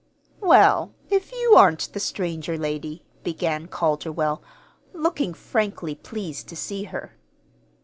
"Well, if you aren't the stranger lady," began Calderwell, looking frankly pleased to see her.